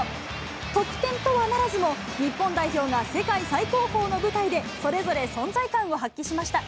得点とはならずも、日本代表が、世界最高峰の舞台で、それぞれ存在感を発揮しました。